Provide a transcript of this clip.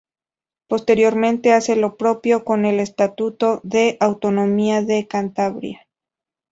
Posteriormente hace lo propio con el Estatuto de Autonomía de Cantabria.